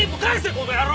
この野郎！